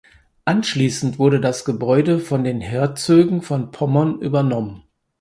Anschließend wurde das Gebäude von den Herzögen von Pommern übernommen.